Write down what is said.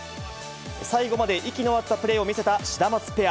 最後まで息の合ったプレーを見せたシダマツペア。